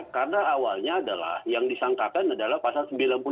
karena awalnya adalah yang disangkakan adalah pasal sembilan puluh tiga